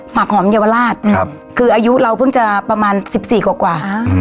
หักหอมเยาวราชครับคืออายุเราเพิ่งจะประมาณสิบสี่กว่ากว่าอ่า